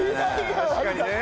確かにね。